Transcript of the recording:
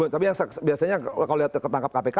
tapi yang biasanya kalau lihat ketangkap kpk